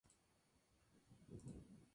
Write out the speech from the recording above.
Asimismo, escribió cuentos y novelas.